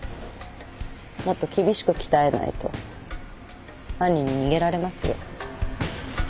もっと厳しく鍛えないと犯人に逃げられますよ。